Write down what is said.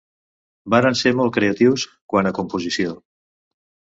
Varen ser molt creatius quant a composició.